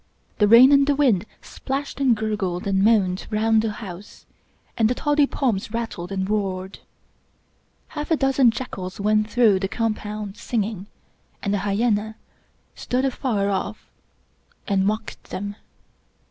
The rain and the wind splashed and gurgled and moaned round the house, and the toddy palms rattled and roared. Half a dozen jackals went through the compound singing, and a hyena stood afar off and mocked them.